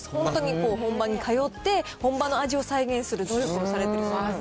本当に本場に通って、本場の味を再現する努力をされてるそうです。